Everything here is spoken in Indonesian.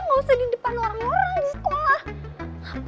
gak usah di depan orang orang di sekolah